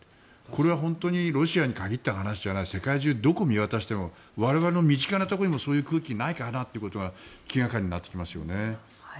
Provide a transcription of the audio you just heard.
これは本当にロシアに限った話じゃない世界中どこを見渡しても我々の身近なところにもそういう空気ないかなと気掛かりになってきますよね。